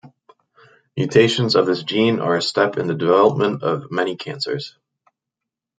Mutations of this gene are a step in the development of many cancers.